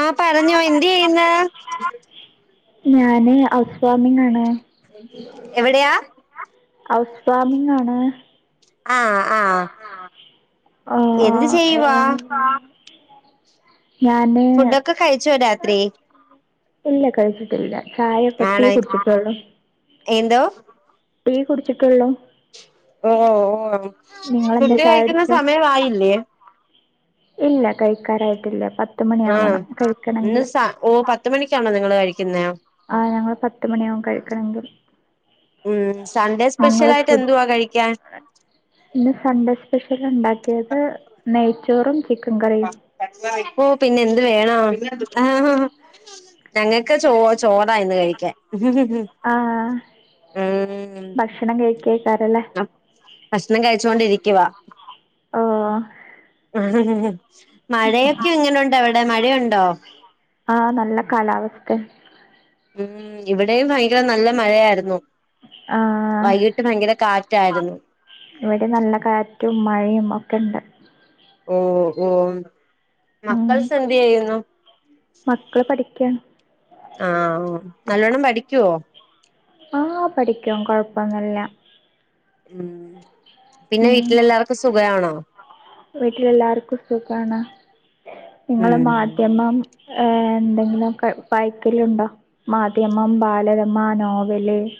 ആഹ് പറഞ്ഞോ എന്ത് ചെയ്യുന്നു? ഞാന് ഹൗസ് വാമിംഗ് ആണ്. എവിടെയാ ഹൗസ് ഫാമിംഗ് ആണ്! ആഹ്! ആഹ്! എന്ത് ആഹ് ചെയ്യവാ? ഏഹ് [unintelligible] ഫുഡൊക്കെ കഴിച്ചോ രാത്രി? ഇല്ല കഴിച്ചിട്ടില്ല ചായക്കട്ടിയ കുടിച്ചിട്ടേള്ളൂ. എഏന്തോ? റ്റീ കുടിച്ചിട്ടുള്ളൂ. ഓ ഓ ശുദ്ധി ചായ കഴിക്കുന്ന കുടിച്ചോ? സമയമായില്ലേ? ഇല്ല കഴിക്കാരായിട്ടില്ല പത്ത്. പത്തുമണി ആ ആവണം ഇന്ന് കഴിക്കണമെങ്കിൽ. സ ഓ പത്ത് മണിക്കാണോ നിങ്ങള് കഴിക്കുന്നേ ആ ഞങ്ങൾ പത്ത് മണിയാകും കഴിക്കണമെങ്കിൽ. ഉ സൺഡേ സ്പെഷ്യൽ ആയിട്ട് എന്തുവാ കഴിക്കാൻ. ഇന്ന് സൺഡേ സ്പെഷ്യൽ ഉണ്ടാക്കിയത് നെയ്ച്ചോറും. ചിക്കൻ കറിയും. [unintelligible] ഓ പിന്നെ എന്ത് വേണോ ഞങ്ങക്ക് ചോ ചോറായിന്ന് കഴിക്കാൻ. ആഹ് ഉം ഭക്ഷണം കഴിക്ക കേക്കാരല്ലേ. ഭക്ഷണം കഴിച്ചോണ്ടിരിക്കുവാ. ഓ ആഹ് മഴയൊക്കെ എങ്ങനുണ്ട് അവിടെ മഴയുണ്ടോ? ആഹ് നല്ല കാലാവസ്ഥയ. ഉം ഇവിടെയും ഭയങ്കര നല്ല മഴയായിരുന്നു ആഹ് വൈകിട്ട് ഭയങ്കര കാറ്റായിരു ഇവിടെ നല്ല കാറ്റും മഴയും ഒക്കെ ഉണ്ട്. ഓ ഓ ഉം മക്കൾസ് എന്ത് ചെയ്യുന്നു? ക്കാണ്. ആ നല്ലോണ്ണം പഠിക്കുവോ? ആഹ് പഠിക്കും കൊഴപ്പൊന്നുല്ല. ഉം പിന്നെ ഉം വീട്ടിലെല്ലാവർക്കും സുഖമാണോ? വീട്ടിലെല്ലാർക്കും സുഖമാണ് നിങ്ങള് ഉം മാധ്യമം ഏഹ് എന്തെങ്കിലും ഒക്കെ വായിക്കലുണ്ടോ മാധ്യമം ബാലരമ നോവല് ഉ [inaudible]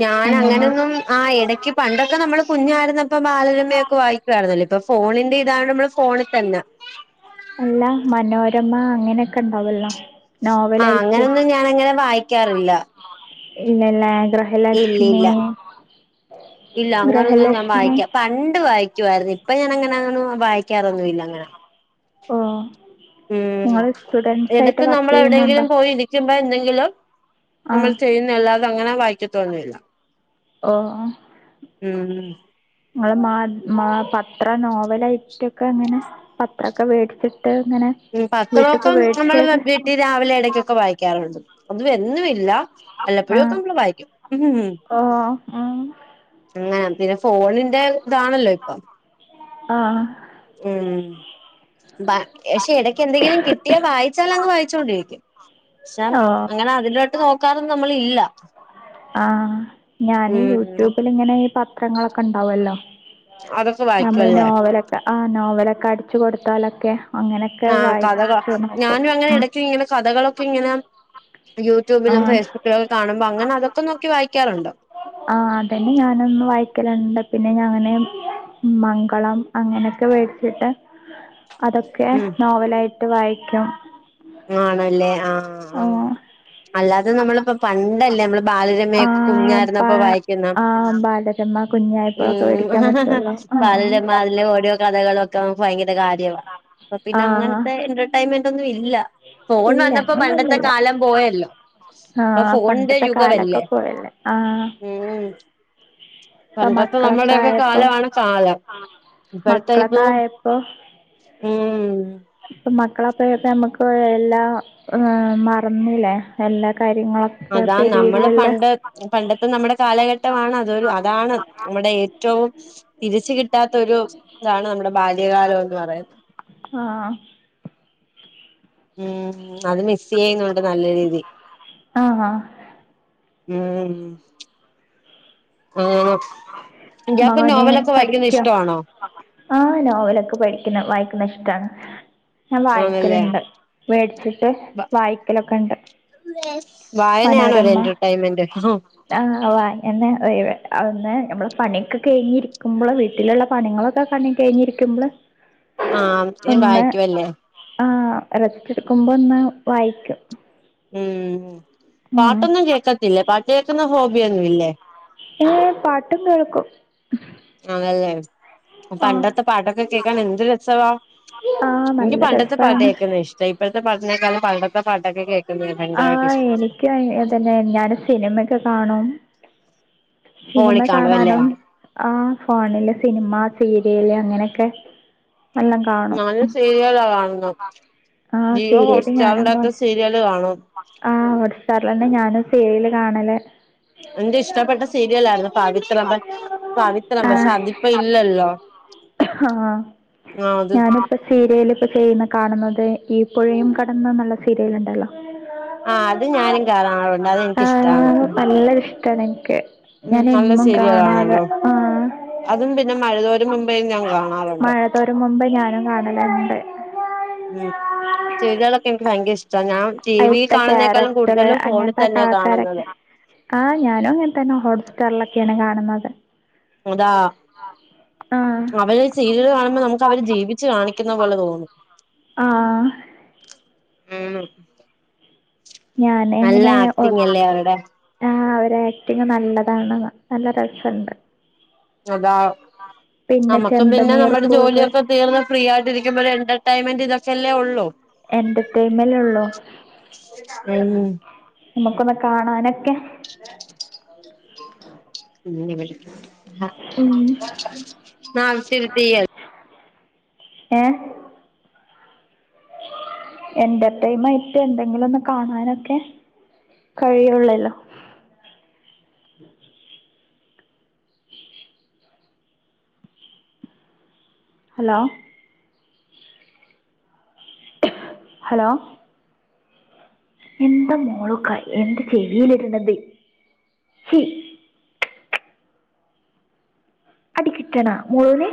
ഞാൻ അങ്ങനെയൊന്നും ആഹ് ഇടക്ക് പണ്ടൊക്കെ നമ്മള് കുഞ്ഞായിരുന്ന ഇപ്പൊ ബാലരമയൊക്കെ വായിക്കുവായിരുന്നല്ലോ ഇപ്പൊ ഫോണിന്റെ ഇതാണ് നമ്മള് ഫോണിൽ തന്നെ അല്ല മനോരമ അങ്ങനെയൊക്കെ ഉണ്ടാവല്ലോ ആഹ് നോവലായിട്ട് അങ്ങനൊന്നും ഞാൻ അങ്ങനെ വായിക്കാറില്ല പിന്നെല്ല ഗ്രഹലക്ഷ്മി ഇല്ലില്ല ഇല്ല അങ്ങനൊന്നും ഞാൻ ഗ്രഹലക്ഷ്മി വായിക്കാം പണ്ട് വായിക്കുവായിരുന്നു ഇപ്പ ഞാൻ അങ്ങനൊന്നും വായിക്കാറൊന്നും ഇല്ല അങ്ങനെ ആഹ് ഉം എടക്ക് വർക്ക് നമ്മൾ ചെയ്യുന്നുണ്ടോ എവിടെയെങ്കിലും പോയി ഇരിക്കുമ്പോ എന്തെ നമ്മൾ ആഹ് ചെയ്യുന്നല്ലാതെ അങ്ങനെ വായിക്കത്തോന്നും ഇല്ല ഓഹ് ആഹ് അത് മാ മ പത്ര നോവലായിട്ടൊക്കെ അങ്ങനെ പത്രൊക്കെ വേടിച്ച് ഉം പത്രമൊക്കെ നമ്മൾ വീട്ടി രാവിലെ ഇടക്കൊക്കെ വായിക്കാറുണ്ട് അത് എന്നും ഇല്ല വല്ലപ്പോഴും ഒക്കെ ആഹ് നമ്മള് വായിക്കും ഉം ഓ ഉം അങ്ങനെ പിന്നെ ഫോണിന്റെ ഇതാണല്ലോ ഇപ്പം ആഹ് ഉം പക്ഷെ ഇടക്ക് എന്തെങ്കിലും കിട്ടിയാ വായിച്ചാലങ്ങ് വായിച്ച ണ്ടിരിക്കും പക്ഷെ ഓ അങ്ങനെ അതിലോട്ട് നോക്കാറൊന്നും നമ്മള് ഇല്ല ആഹ് ഞാനീ യൂട്യൂബിൽ ഇങ്ങനെ പത്രങ്ങളൊക്കെ ഉണ്ടാവല്ലോ അതൊക്കെ നമ്മള് വായിക്കുവല്ലേ നോവലൊക്കെ ആഹ് നോവലൊക്കെ അടിച്ചു കൊടുത്താലൊക്കെ അങ്ങനൊക്കെ ആഹ് കഥകൾ വായിച്ചു നോക്കും ഞാനും അങ്ങനെ ഉം ഇടക്ക് ഇങ്ങനെ കഥകളൊക്കെ ഇങ്ങനെ യൂട്യൂബിലും ആഹ് ഫേസ്ബുക്കിലൊക്ക കാണുമ്പോ അങ്ങനെ അതൊക്കെ നോക്കി വായിക്കാറുണ്ട് ആഹ് അതന്നെ ഞാനൊന്നും വായിക്കലുണ്ട് പിന്നെ ഞാൻ അങ്ങനെ മംഗളം അങ്ങനെയൊക്കെ വേടിച്ചിട്ട് അതൊക്കെ ഉം നോവലായിട്ട് വായിക്കും ആണല്ലേ ആഹ് അം അല്ലാതെ നമ്മള്പ്പോ പണ്ടല്ലേ നമ്മള് ആ ബാലയരമയൊക്കെ കുഞ്ഞായിരുന്ന പ ഇപ്പൊ വായിക്കുന്ന ആ ബാലരമ കുഞ്ഞായിപ്പൊക്കെ ഉം വേടിക്കാൻ പറ്റുവല്ലോ ആ ഉം. ബാലരമ അതിലെ ഓരോ കഥകള് ഒക്കെ നമുക്ക് ഭയങ്കര കാര്യവാ പിന്നെ ആ അങ്ങനത്തെ എന്റർട്ടെയ്ൻമെന്റ് ഒന്നും ഇ ഇല്ല അങ്ങനൊന്നുല്ല. കാലം പോയല്ലോ ഇപ്പൊ ആഹ് ഫോണിന്റെ പണ്ടത്തെ കാലൊക്കെ യുഗമല്ലേ പോയല്ലേ ആഹ് ഉം ഇപ്പൊ പണ്ടത്തെ മക്കളക്കെ നമ്മുടെയൊക്കെ ആയപ്പോ കാലമാണ് കാലം ഇപ്പോഴത്തെ മക്കളക്കെ ഇപ്പൊ ആയപ്പോ ഉം ഇപ്പ മക്കളപ്പയപ്പോ നമ്മക്ക് എല്ലാ മറന്നിലേ എല്ലാ കാര്യങ്ങളൊക്കെ അതാ നമ്മള് പെരിയിലുള്ള പണ്ട് പണ്ടത്തെ നമ്മുടെ കാലഘട്ടമാണ് അതൊരു അതാണ് നമ്മുടെ ഏ റ്റവും തിരിച്ച് കിട്ടാത്ത ഒരു ഇതാണ് നമ്മുടെ ബാല്യകാലം എന്ന് പറയു ആഹ് ഉം അത് മിസ്സി യ്യുന്നുണ്ട് നല്ല രീതീ ആ ഉം [unintelligible] അങ്ങനെ ഇയാക്ക് മോന് നോവലൊക്കെ വായിക്കുന്നത് പഠിക്ക ഇഷ്ടമാണോ ആഹ് നോവലൊക്കെ പഠി ക്കുന്ന വായിക്കുന്ന ഇഷ്ടാണ്. ഞാൻ ആണല്ലേ വായിക്കല്ണ്ട് വേടിച്ചിട്ട് വായിക്കലൊക്കെ ഇണ്ട്. വായനയാണോ ഒരു മനോരമ എന്റർടൈൻമെന്റ് ആഹ് വായെന്നെ ഒയ്വ് [unintelligible] നമ്മള് പണിയെക്കെ കഴിഞ്ഞിരിക്കുമ്പള് വീട്ടിലുള്ള പണികളൊക്കെ കണ്ണി കഴിഞ്ഞിരിക്കുമ്പള് ആഹ് [unintelligible] വായിക്കുവല്ലേ ആഹ് റെസ്റ്റ് എടുക്കുമ്പോ ഒന്ന് വായിക്കും. ഉം ഉം പാട്ടൊന്നും കേക്കത്തില്ലേ പാട്ട് കേക്കുന്ന ഹോബിയൊന്നും ഇല്ലേ ഏഹ് പാട്ടും കേൾക്കും. ആണല്ലേ പണ്ടത്തെ പാട്ടൊക്കെ കേക്കാൻ എന്ത് രസവാ. ആഹ് എനിക്ക് നല്ല പണ്ടത്തെ പാട്ട് രസാണ്. കേൾക്കുന്നത് ഇഷ്ടം ഇപ്പഴത്തെ പാട്ടിനേക്കാളും പണ്ടത്തെ പാട്ടൊക്കെ കേക്ക ആഹ് എനിക്കും അതന്നെ ഞാന് സിനിമെക്കെ കാണും സിനിമ ഫോണിൽ കാണുവല്ലേ കാണാനും ആഹ് ഫോണില് സിനിമ സീരിയല് അങ്ങനെയൊക്കെ എല്ലാം കാണും. ഞാന് സീരിയലാ കാണുന്നു ആഹ് ജിയോ സീരിയല് ഞാനും ഹോട്ട്സ്റ്റാറിൻ്റാത്ത് കാണും. സീരിയല് കാണും ആഹ് ഓട ഹോട്ട്സ്റ്റാറലന്നെ ഞാനും സീരിൽ കാണലേ എന്റെ ഇഷ്ടപ്പെട്ട സീരിയലയിരുന്നു പാ ത്ര പാവിത്രം പക്ഷെ ആഹ് അതിപ്പ ഇല്ലല്ലോ ആഹ് ആ അത് ഞാനിപ്പ ചെ സീരിയലിപ്പ ചെയ്യുന്ന കാണുന്നത് ഈ പുഴയും കടന്ന്ന്നുള്ള സീരിയൽ ഉണ്ടല്ലോ ആഹ് അത് ഞാനും കാറാറുണ്ട് അതെനിക്കിഷ്ടാ ട്ടാണ് എനിക്ക് ഉം ഞാൻ നല്ല എന്നും സീ കാണും അതെ ആഹ് പിന്നെ മഴതോരും മുമ്പേ ഞാൻ കാണാറുണ്ട് മഴ തോരും മുമ്പ് ഞാനും കാണലായി ഉം ചെയെ്തളൊക്കെ എനിക്ക് ഭയങ്കര ഇഷ്ടം ഞാൻ ടി വിയിൽ അയിത്ത കാണുന്നേക്കാളും ക്യാരക്ടർ കൂടുതലും ഫോണിൽ അങ്ങനത്തെ ഒക്കെ തന്നെയ ആൾക്കാരൊക്കെ കാണുന്നത് ആഹ് ഞാനും അങ്ങനെത്തന്നെ ഹോട്ട് സ്റ്റാറിലൊക്കെയാണ് കാണുന്നത് അതാ ആഹ് അവര് ചെയീത് കാണുമ്പോൾ നമുക്ക് അവര് ജീവിച്ചു കാണിക്കുന്ന പോലെ തോന്നും ആഹ് ഉം ഞാൻ എങ്ങനെ അവരുടെ ആഹ് ടീക്ങ് നല്ലതാണ് നല്ല രസണ്ട് അതാ പിന്നെ നമ്മുക്കും പിന്നെ ചെമ്പനീർ നമ്മുടെ പൂവ് ജോലിയൊക്കെ തീർന്ന് ഫ്രീ ആയിട്ട് ഇരിക്കുമ്പോ രണ്ട് ടൈൻമൈന്റ് തൊക്കെല്ലെ ഉള്ളു. എന്റർടൈമല് ഉള്ളു. ഉം നമുക്കൊന്ന് കാണാനൊക്കെ ഉമ്മി ഉം [unintelligible] [unintelligible] ഏഹ് എന്റർടൈമ് ആയിട്ട് എന്തെങ്കിലും ഒന്ന് കാണാനൊക്കെ കഴിയുള്ളല്ലോ. ഹലോ ഹലോ എന്താ മോളു കൈ എന്റെ ചെവിയിൽ ഇടുന്നത് അടി കിട്ടണ മോളുന്